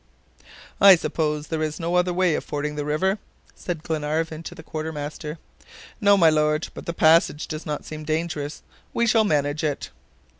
"I suppose there is no other way of fording the river?" said Glenarvan to the quartermaster. "No, my Lord; but the passage does not seem dangerous. We shall manage it."